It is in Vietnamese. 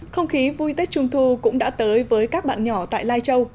không khí vui tết trung thu cũng đã tới với các bạn nhỏ tại lai châu